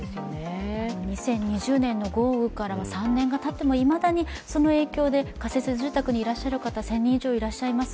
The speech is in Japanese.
２０２０年の豪雨から３年がたってもいまだにその影響で仮設住宅にいらっしゃる方、１０００人以上いらっしゃいます。